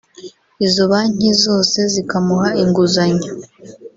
izo banki zose zikamuha inguzanyo